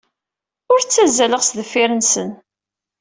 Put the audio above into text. Ur ttazzaleɣ sdeffir-nsent.